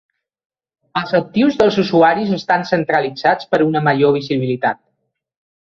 Els actius dels usuaris estan centralitzats per a una major visibilitat.